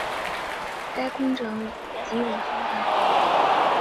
该工程极为浩大。